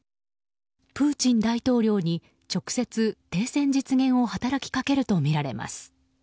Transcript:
プーチン大統領に直接、停戦実現を働きかけるとみられます。